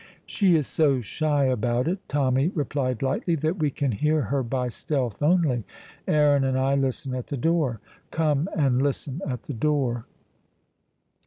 "She is so shy about it," Tommy replied lightly, "that we can hear her by stealth only. Aaron and I listen at the door. Come and listen at the door."